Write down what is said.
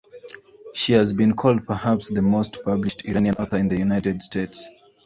She has been called "perhaps the most published Iranian author in the United States".